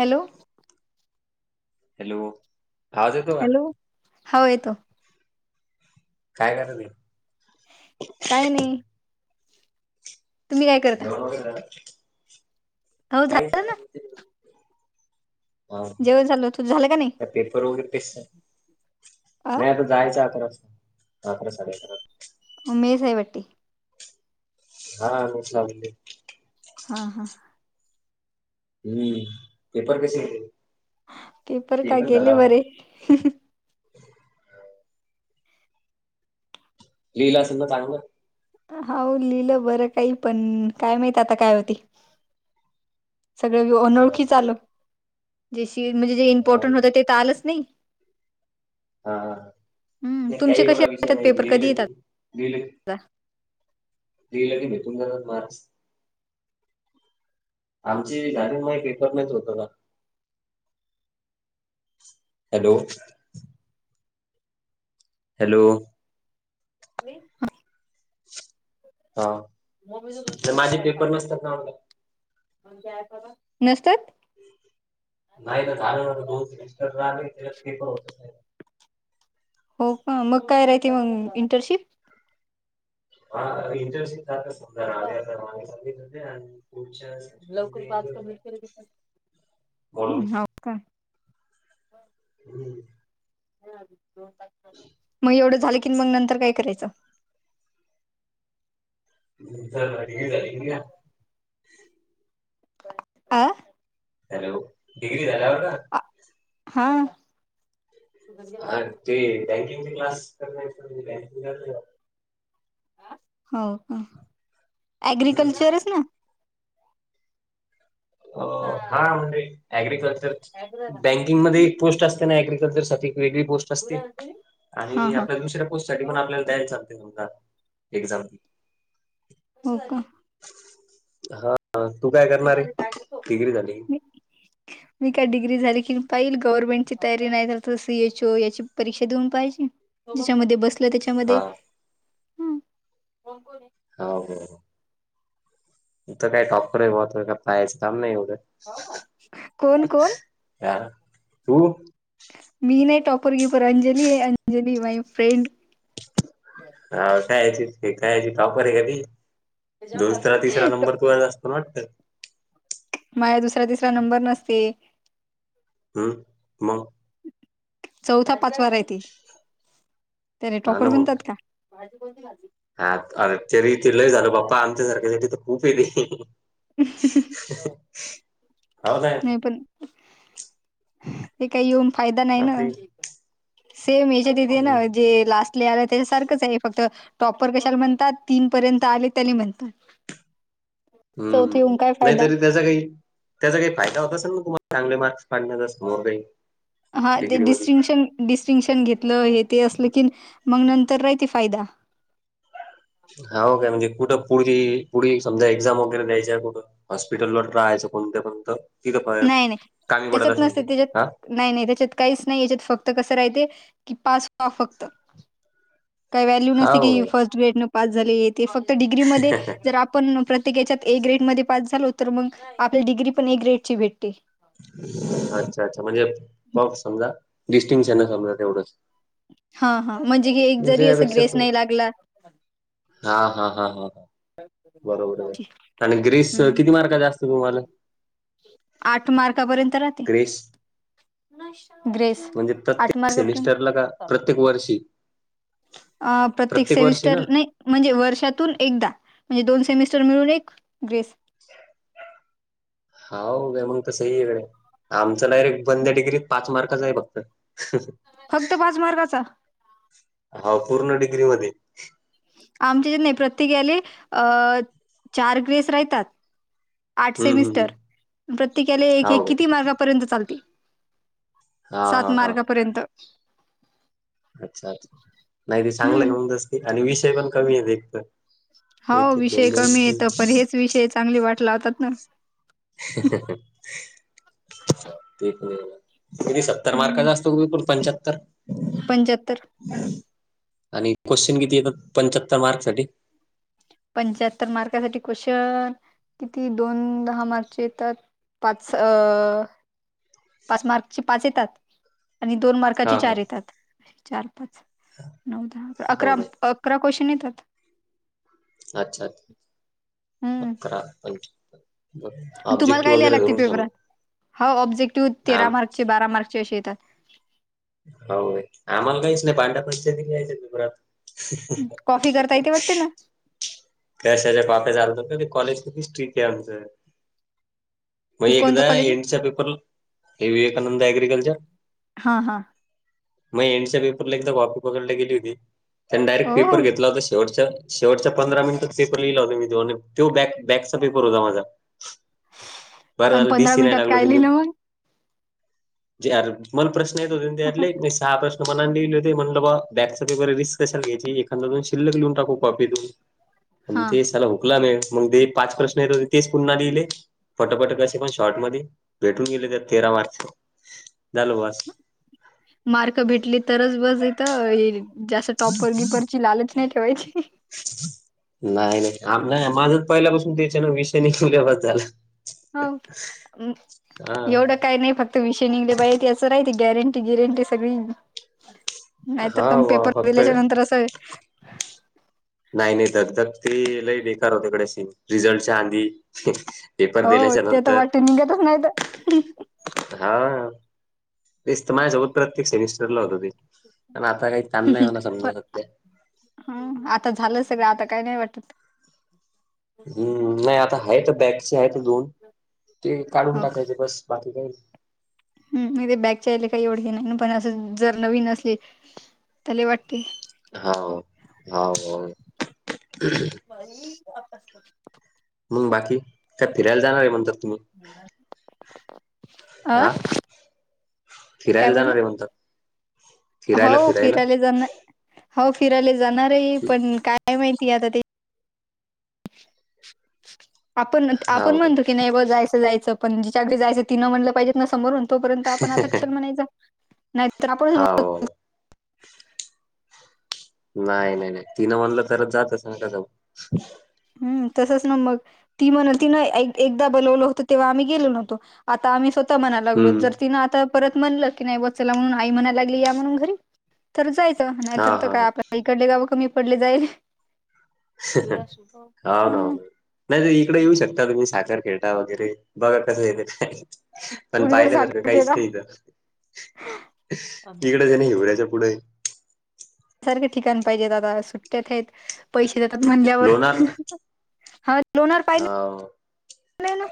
Hello hello आवाज येतो का हॅलो हो येतो काय कर त काय नाही तुम्ही काय करता जवला हो का ह जेवण झालं तू झालं का नाही त्या पेपर प अ नाही जायच अकरा असता अकरा सा मेस आहे बटी हा म हा हा मी पेपर कसे घेत पेपर का गेले बरे लीला अस ना चांगलं होऊ लिलं बरं काही पण काय माहित आता काय होती सगळ अनोळखी चाल जेशी म्हणजे जे इम्पॉर्टंट होते ते त आलच नाही हा हम्म नाही तुमचे काही कसे एवढा विषय येतात नाही पेपर कधी येतात लिली लल दिलं की मी तुम म मा मारक्स आमची गाडी म रेफर नाहीच होतं का हॅलो हॅलो नि हा तर माझे पेपर नसतात ना आला नसतात नाही ना झालं दोन तीनस्टर राले ते पण होतच नाही हो का मग काय राहते मग इंटर्नशिप हा इंरेस्ट समजा सांगित होच्या लवकर हो म्हणून का हम्म मग एवढं झालं की मग नंतर काय करायचं झा झाली अह हॅलो डिग्री झालावर का आ, हा अ ते बँकिंगचा क्लास कर बँकिंग कर हो अग्रिकल्चरच ना हा म्हणजे अग्रिकल्चर बँक एक पोस्ट असते नाग्रकल्चर साठी एक वेगळी पोस्ट असते हा आणि हा आपल्या दुसऱ्या ो साठी पण आपल्याला द्यायला चालते एक्झाम हो का हा तू काय करणारे डिग्री झाली ह मी काय डिग्री झाली की पाहिल गव्हर्नमेंटची तयारी नाही झा तर सीएच ओ याची परीक्षा देऊन पाहिजे त्याच्यामध्ये बसलं हा त्याच्यामध्ये ह हो [unintelligible] कोण कोण. यार तू. मी नाही टॉपर की युवर अंजली है अंजली माय फ्रेड. हा काय यायची काय टॉपर आहे का ती, दुसरा तिसरा नंबर तुझाचं असतो. मंट माझं दुसऱ्या तिसरा नंबर नसते. हम्म मग. चौथा पाचवा राहती, त्याने हा टॉपर ना मग बनतात का? भाजी कोणती खाजी. हा अरे तरी ते लय झालं बाप्पा, आमच्यासारख्यानसाठी तर खूप ये ते. हो कां. नाही पण ते काही येऊन फायदा नाही ना, आपली सेम याच्यातिथे ना हम्म जे लास्ट. [unintelligible] त्याच्या सारखंच आहे फक्त टॉपर कशाला म्हणतात. तीन पर्यंत आले तेले म्हणतात. चौथे हम्.. येऊन काय फायदा नाहीतरी त्याचा काही, त्याचा काही फायदा होता असेल ना, तुम्हाला चांगले मार्क. [unintelligible] डिग्री मध्ये. डिस्टिंशन घेतलं हे ते असलं की, मग नंतर राहते फायदा. हा हो काय म्हणजे, कुठं पुढ पुढे समजा एक्झाम वगैरे द्यायचीय कुठं. हॉस्पिटलवर ट्राय असं, कोणतं कोणत तिथं नाही, नाही कामी पडत त्याच्यात असेन नसते ते. त्याच्यात नाही नाही तेच्यात काहीच नाही, याच्यात फक्त कसं राहते की पास व्हां फक्त. काही व्हॅल्यू हा नसते की, हो फर्स्ट ग्रेड न पास झालेे ते फक्त डिग्री मध्ये जर आपण प्रत्ये कच्यात ए ग्रेड म पास झालो तर, मग आपल्या डिग्री पण ए ग्रेड ची भेटते. अच्छा अच्छा, म्हणजे पप समजा डिस्टिंशन ना समजा तेवढंच. हा.. हा.. म्हणजे की एक म्हणजे जरी अस यापेक्षा ग्रेस तो नाही लागला. हा.. हा.. हा.. हां. बरोबर आहे, आणि ग्रीेस हं, किती मार्क चा असत तुम्हांला, आठ मार्कापर्यंत राह ग्रेस ग्रेस म्हणजे, प्रत्येक मार्कापर्यंत सेमिस्टरला कां. प्रत्येक वर्षी. अं.. प्रत्येक वर्षी ना सेमिस्टर ने. म्हणजे वर्षातून एकदा म्हणजे, दोन सेमिस्टर मिळून एक ग्रेस. हाव का मग, तर सही ये गडे. आमचं डायरेक्ट बंद डिग्रीत पाच मार्काच आहे फक्त. फक्त पाच मार्काच. हो.. पूर्ण डिग्री मध्ये, आमचे जे नाही प्रत्येकले अ.. चार ग्रेस राहतात. आठ हम्म हम्म सेमिस्टर, हम्म प्रत्येकाला एक हाव काय किती मार्कापर्यंत चालतील. हा.. हा... हा.. अच्छा अच्छा, नाही ते हं. चांगलं तसं. आणि विषय पण कमी आहे, एक तर हो एक एक दोन विषय दोन कमी येतं पण हेच, विषय चांगली वाट लावतात ना. ते पण हाय ना. की सत्तर मार्काचा असतो, की एकूण पंच्याहत्तर. पंचात्तर. आणि क्वेश्चन किती येतात, पंचाहत्तर मार्क साठी. पंच्याहत्तर मार्कासाठी क्वेशन, किती दोन दहा मार्कचे येतात. पाच अ... पाच मार्कची पाच येतात, आणि दोन मार्क हा अकराचे चार हा येतात, चार, पाच, नऊ, दहा, हो अकरा काय अकरा क्वेशन येतात. अच्छा, हम्म अकरा पंच्याहत्तर. तुम्हाला काय लिहायला लागते पेपरात, हा ऑब्जेक्टिव्ह तेरा आम मार्कचे बारा मार्कचे असे येतात. होय.. आम्हाला काहीच नाही पांढ्या पंचायती यायच पेपरात. [inaudible] कॉफी करता येते वाटते ना कशाच्या कप्या चालतात कॉलेज ट्रिकआमचं मग कोणतं एकदा कॉलेज आहे? एंडचा पेपर हे विवेकानंद अग्रिकल्चर हा हा मग एंडच्या पेपरला एकदा कॉपी पकडला गेली होती त्यांनी डायरेक्ट हो पेपर घेतला होता शेवटच्या शेवटच्या पंधरा मिनिटच पेपर लिहिला होता मी तो आणि तो बॅक बॅकचा पेपर होता माझा बरं आणि झालं डी पंधरा सी नाही मिनिटात लागल काय तुमही लिहिलं र मल प्रश्न येतो मग त्यातले सहा प्रश्न मं हो म्हटलं बाबा बॅकचा पेर रिस् कशला घ्याचीखा्याून शिल्लक लिहून टाकूॉपतून [inaudible] पण ते त्याला हकला नाही मग ते पाच प्रश्न येत होते तेच पुन्हा लिहिले फटोफट कसे पण शॉर्ट मध्ये भेटून गेले तर तेरा मार्च झाल बस मार्क भेटली तरच बस येतं जास्त टॉप वगीपरची लालच नाही ठेवायची नाही नाही आ नाही माझा पहिल्यापासून तेच आहे ना विषय निघल्यावा त्याला हो हा एवढं काय नाही फक्त विषय निघले बाहि ते असं राही ती गॅरंटी गिरंटी सगळी नाहीतर हा तम वा पेपर फक्त दिल्याच्या नंतर असं नाही नाही धगधक ते लही बेकार होतेकडेशी रिझल्टच्या आधी पेपर हो दिल्याच्या ते तर नंतर वाट निघतच नाही तर हा वसतमझ स उत प्रत्यकक्ष विस फरलं होत ते प आता काही का नाही होणा समजा स्या हम आता झालं सगळं आता काही नाही वाटत हम्म नाही आता ह तर बॅगचे आहे दोन ते काढून हो टाकायचे बस बाकी काही हम नाही ते बॅगच्या याला काही एवढे हे नाही पण असं जर नवीन असले त्याला वाटते हा हा बरी असत मग बाकी काय फिरायला जाणार आहे म्हणतात तुम्ही आं हा काय फिरायला जाणार म्हटलं आहे म्हणतात फिरायला हो फिरायला फिरायले जाना हो फिरायला जाणार आहे पण काय माहितीय आता ते आपण आपण हाव काय म्हणतो की नाही बॉ जायचं जायचं पण जिच्याकडे जायचं ति न म्हणटलं पाहिजे ना समोरून तोपर्यंत आपण आता कशाला म्हणायचा नाही होव नाही नाही नाही तिनं म्हनलं तरच जात तसा नका जाऊ हम्म तसंच ना मग ती म्हणल ती ना एकदा बोलवलं होतं तेव्हा आम्ही गेलो नवत आता आम्ही स्वतः म्हणा लागलो हम्म जर तिनं आता परत म्हणलं की नाही बचाला म्हणून आई म्हणायला लागली या म्हणून घरी तर जायचं हा नाहीतर तर हा काय हा आपल्या इकडले गावं कमी पडले जाईले [unintelligible] हो नावो हम्म नाही तर इकडे येऊ शकता तुम्ही साखर खेटा वगैरे बघा कसं येत का पण कुणीकडे पाहिल्यासारखं साखर काहीच केला नाही इथ इकडं [unintelligible] पुढे [unintelligible] ठिकाण पाहिजेत आता सुट्ट्यात आहेत पैसे देतात म्हणल्यावर लोणार लोणार पाहिलं हाव नाही ना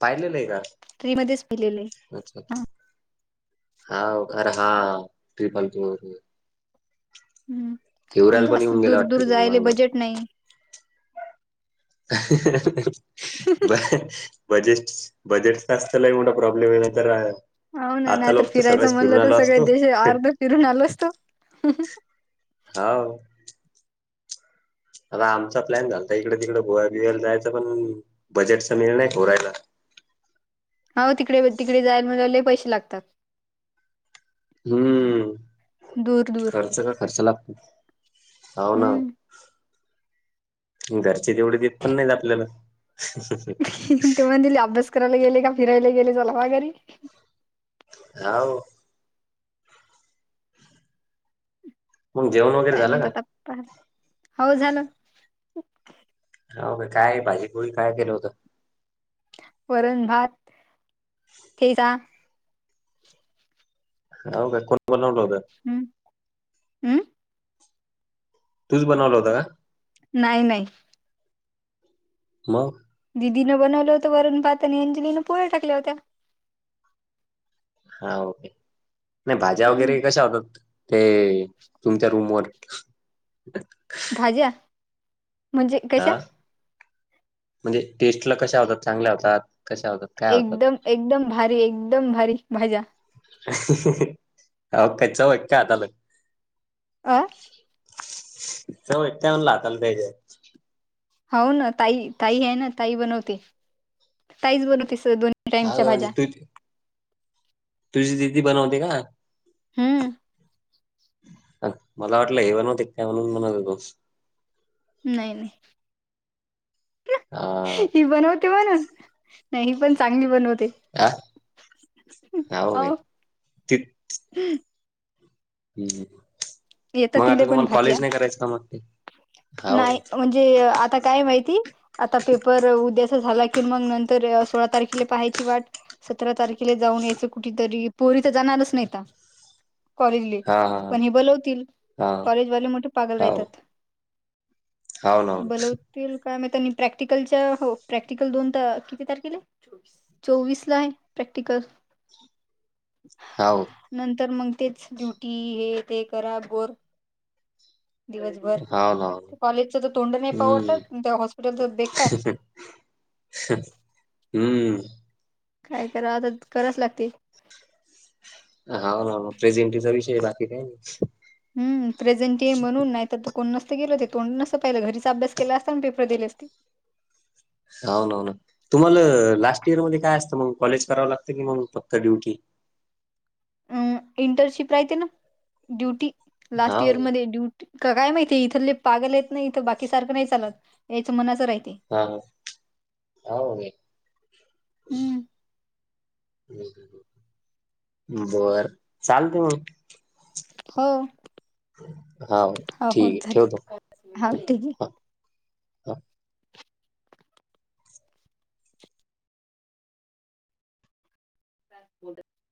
पाहिलेलं आहे ना ट्री मध्येच पिलेले अच्छा अच्छा हाव [unintelligible] हम्म आणि हिवऱ्याला पण जास्त येऊन गेला दूर दूर वाटतं तुम्ही जायले मागं बजेट नाही हा हा ब बजेट बजेटचाच तर लई मोठा प्रॉब्लेम आहे ना खरा हो ना नाहीतर फिरायचं म्हणलं तर सगळे देश अर्ध फिरून आलो असतो हाव आता आमचा प्लॅन झालता इकडे तिकडे गोव्या बिव्याला जायचं पण बजेटचा निर्णय नाही होऊ राहिला हो तिकडे तिकडे जायला म्हणाल्यावर लई पैसे लागतात. हम्म दूर दूर खर्च का खर्च लागतो हव ना. हम्म घरचे तेवढे देत पण नाहीत आपल्याला ते म्हणतील अभ्यास करायला गेले का फिरायला गेले, चला व्हा घरी. हाव. मग जेवण वगैरे काय माहित झालं का आता काय. हाव झालं. हाव काय. काय भाजी पोळी काय केलं होतं? वरण, भात, ठेचा हाव का कोण बनवलं होत? हम्म हम्म. तूच बनवल होत का? नाही नाही. मग? दिदिनं बनवलं होतं वरण भात आणि अंजलीने पोळ्या टाकल्या होत्या. हा ओके. नाही भाज्या हम्म वगैरे कशा होतात ते तुमच्या रूम वर भाज्या म्हणजे हा कशा? म्हणजे टेस्ट ला कशा होतात चांगल्या होतात कशा होतात? काय होतात एकदम एकदम भारी एकदम भारी भाज्या हाव का चव हाय का हाताला अह चव आहे का म्हणलं हाताला त्यांच्या हाव ना ताई ताई आहे ना ताई बनवते ताईच बनवते स दोन [unintelligible] तुझी दिदी बनवते का? हम्म. मला वाटलं हे बनवते काय म्हणून म्हणत होतो. नाही नाही. हा. ती बनवते म्हणून नाही ही पण चांगली बनवते हा ते. हो काय अहो हम् येत मग आता तिले पण तुम्हाला भाज्या कॉलेज नाही करायचं का मग ते हाव जे आता काय माहिती आता पेपर उद्याचा झाला कि मग नंतर सोळा तारखेला पाहायची वाट सतरा तारखेला जाऊन यायचं कुठेतरी पोरी तर जाणारच नाही आता कॉलेजले हा हा पण हे बोलवतील हा हा, कॉलेजवाले मोठे पागल हाव राहतात हाव ना बोलव तील काय माहिती प्रॅक्टिकलच्या हो प्रॅक्टिकल दोन किती तारखेला हाय? चोवीस ला आहे प्रॅक्टिकल हाव. नंतर मग तेच ड्युटी हे ते करा बोर दिवसभर हाव ना कॉलेजच तर तोंड नाही पाहू हम्म वाटत अन त्या हॉस्पिटलच बेकार हम्म. काय कराव आता करावच लागते हाव ना म प्रेझेंटीचा विषय आहे बाकी काय नाही हम्म प्रेझेंटी आहे म्हणून नाही तर तु कोण नसत गेल, ते तोंड नसत पाहिलं घरीच अभ्यास केला असता आणि पेपर दिले असते हाव ना हो ना तुम्हाला लास्ट इयर मध्ये काय असतं मग कॉलेज करावं लागतं की मग फक्त ड्युटी? अ इंटर्नशिप राहते ना ड्युटी लास्ट हाव काय? इयरमध्ये ड्यु काय माहितीय इथले पागल हायत ना बाकी सारखं नाही चालत याच्या मनाचं राहते. हा हम्! हम्म बर चालतंय मग हो! हाव! हो हो ठीक आहे. झालं ठेवतो. ठीक आहे. हां, हां. [inaudible]